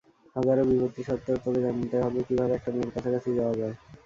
হাজারও বিপত্তি সত্ত্বেও তোকে জানতে হবে, কীভাবে একটা মেয়ের কাছাকাছি যাওয়া যায়।